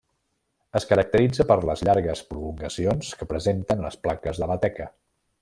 Es caracteritza per les llargues prolongacions que presenten les plaques de la teca.